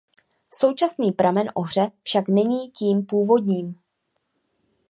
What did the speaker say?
Současný pramen Ohře však není tím původním.